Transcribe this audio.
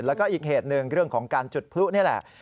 แล้วก็อีกเหตุหนึ่งเรื่องของการจุดพลุนี่แหละ